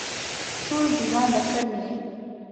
ټول دیوان دفتر مې یې